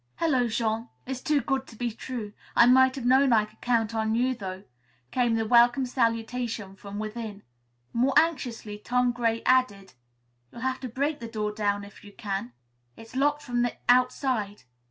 "Hello, Jean! It's too good to be true. I might have known I could count on you, though," came the welcome salutation from within. More anxiously Tom Gray added: "You'll have to break the door down, if you can. It's locked from the outside.